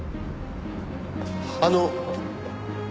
あの。